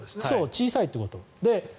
小さいということです。